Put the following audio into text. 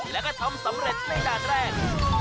แล้วก็ทำสำเร็จในด้านแรก